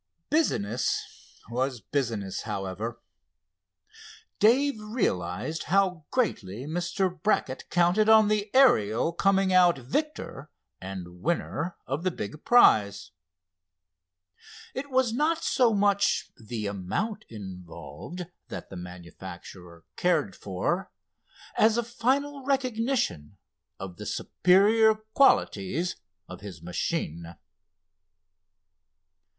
Business was business, however. Dave realized how greatly Mr. Brackett counted on the Ariel coming out victor and winner of the big prize. It was not so much the amount involved that the manufacturer cared for as a final recognition of the superior qualities of his machine.